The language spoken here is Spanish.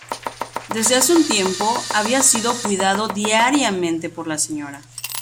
Desde hace un tiempo, había sido cuidado diariamente por la Sra.